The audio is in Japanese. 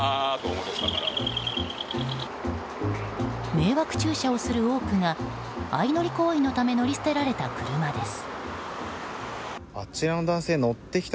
迷惑駐車をする多くが相乗り行為のため乗り捨てられた車です。